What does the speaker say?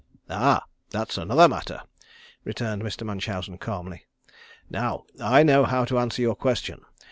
"Ah, that's another matter," returned Mr. Munchausen, calmly. "Now I know how to answer your question.